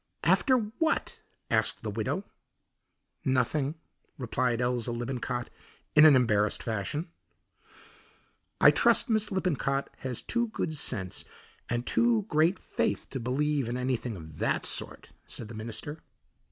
"After what?" asked the widow. "Nothing," replied Eliza Lippincott in an embarrassed fashion. "I trust Miss Lippincott has too good sense and too great faith to believe in anything of that sort," said the minister.